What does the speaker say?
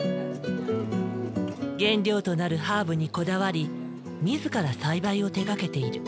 原料となるハーブにこだわり自ら栽培を手がけている。